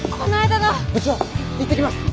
部長行ってきます！